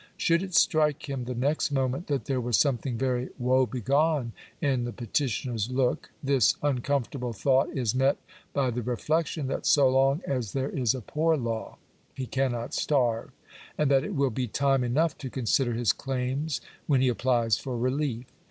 Should it strike him the next moment that there was something very wo hegone in the petitioner's look, this uncomfortable thought is met by the reflection, that so long as there is a poor law. he cannot starve, and that it will be time enough to consider his claims when he applies for relief.